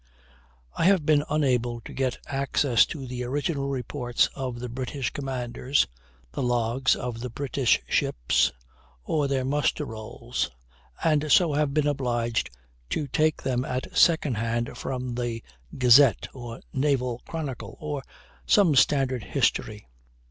I have been unable to get access to the original reports of the British commanders, the logs of the British ships, or their muster rolls, and so have been obliged to take them at second hand from the "Gazette," or "Naval Chronicle," or some standard history.